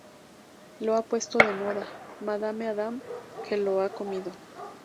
Lo ha puesto de moda Madame Adam, que lo ha comido.